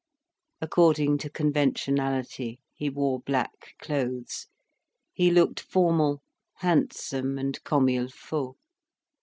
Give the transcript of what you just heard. According to conventionality, he wore black clothes, he looked formal, handsome and comme il faut.